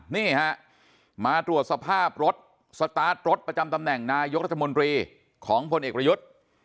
นี่ฮะมาตรวจสภาพรถสตาร์ทรถประจำตำแหน่งนายกรัฐมนตรีของพลเอกประยุทธ์